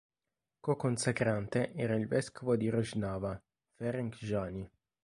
Co-consacrante era il vescovo di Rožňava, Ferenc Szanyi.